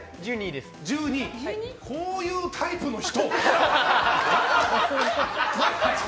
こういうタイプの人？